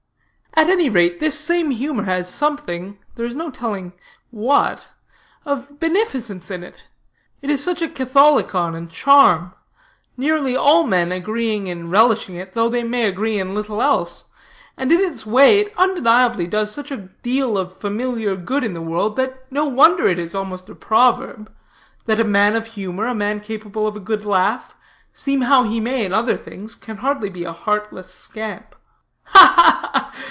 At any rate, this same humor has something, there is no telling what, of beneficence in it, it is such a catholicon and charm nearly all men agreeing in relishing it, though they may agree in little else and in its way it undeniably does such a deal of familiar good in the world, that no wonder it is almost a proverb, that a man of humor, a man capable of a good loud laugh seem how he may in other things can hardly be a heartless scamp." "Ha, ha, ha!"